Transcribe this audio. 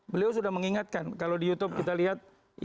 beliau sudah mengingatkan kalau di youtube kita lihat